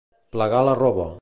Plegar la roba.